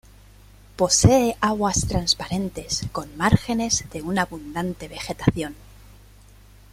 Posee aguas transparentes con márgenes de una abundante vegetación.